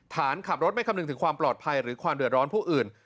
ขับรถไม่คำนึงถึงความปลอดภัยหรือความเดือดร้อนผู้อื่น